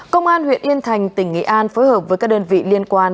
công an huyện yên thành tỉnh nghệ an phối hợp với các đơn vị liên quan